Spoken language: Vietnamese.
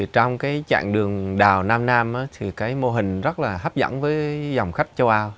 trong cái chặng đường đào nam nam thì cái mô hình rất là hấp dẫn với dòng khách châu âu